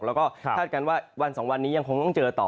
แล้วก็ทาสกันว่าวันสองวันนี้ยังคงต้องเจอต่อ